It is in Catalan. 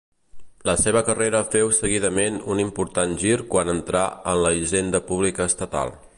La seva carrera féu seguidament un important gir quan entrà a la hisenda pública estatal.